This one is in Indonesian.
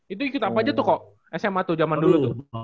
itu apa aja tuh kok sma tuh zaman dulu